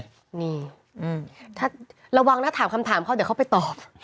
นี่ถ้าระวังนะถามคำถามเขาเดี๋ยวเขาไปตอบ